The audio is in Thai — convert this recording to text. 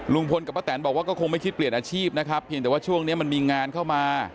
ลุงพลกับป้าแตนบอกว่าก็คงไม่คิดเปลี่ยนอาชีพนะครับเพียงแต่ว่าช่วงนี้มันมีงานเข้ามา